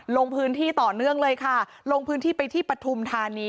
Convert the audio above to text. ลงพื้นที่ต่อเนื่องเลยค่ะลงพื้นที่ไปที่ปฐุมธานี